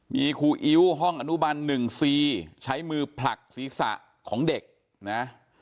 มีครูอิ๊วห้องอนุบัน๑๔ใช้มือผลักศีรษะของเด็กนะ